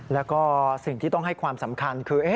แล้วก็สิ่งที่ต้องให้ความสำคัญคือ